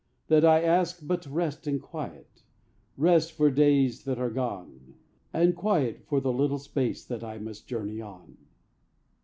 That I ask but rest and quiet Rest for days that are gone, And quiet for the little space That I must journey on.